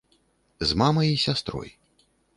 З мамай і сястрой.